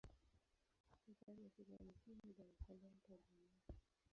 Mandhari ya filamu hii ni Dar es Salaam Tanzania.